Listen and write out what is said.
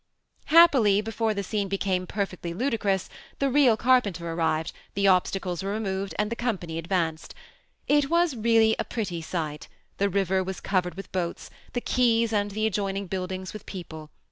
Happily, before the scene became perfectly ladicroas, the real carpenter arrived, the obstacles were removed, and the company advanced: it was really a pretty sight; the river was covered with boats, — the quays and the adjoining buildings with people.